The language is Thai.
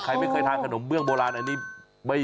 ใครไม่เคยทานขนมเบื้องโบราณอันนี้